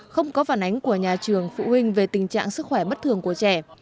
không có phản ánh của nhà trường phụ huynh về tình trạng sức khỏe bất thường của trẻ